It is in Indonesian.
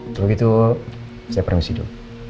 kalau gitu saya permisi dong